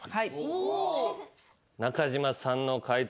中島さんの解答